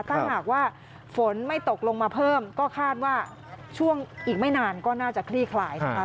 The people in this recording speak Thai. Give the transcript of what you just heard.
ถ้าหากว่าฝนไม่ตกลงมาเพิ่มก็คาดว่าช่วงอีกไม่นานก็น่าจะคลี่คลายนะคะ